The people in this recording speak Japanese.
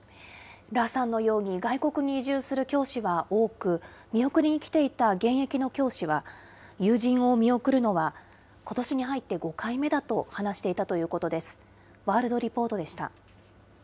羅さんのように外国に移住する教師は多く、見送りに来ていた現役の教師は、友人を見送るのはことしに入って５回目だと話していたということです。